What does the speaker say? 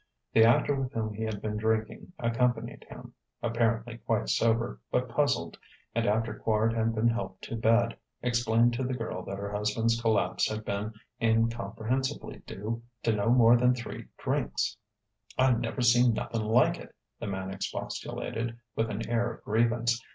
The actor with whom he had been drinking accompanied him, apparently quite sober, but puzzled; and after Quard had been helped to bed, explained to the girl that her husband's collapse had been incomprehensibly due to no more than three drinks. "I never seen nothin' like it!" the man expostulated, with an air of grievance.